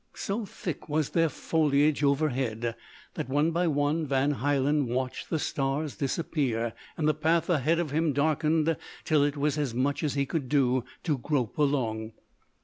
So thick was their foliage overhead that one by one Van Hielen watched the stars disappear; and the path ahead of him darkened till it was as much as he could do to grope along.